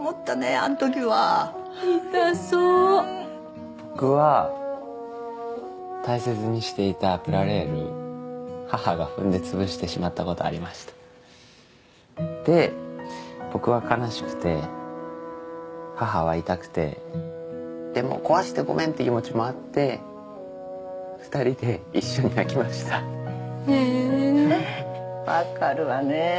あんときは痛そう僕は大切にしていたプラレール母が踏んで潰してしまったことありましたで僕は悲しくて母は痛くてでも壊してごめんって気持ちもあって２人で一緒に泣きましたへえーわかるわね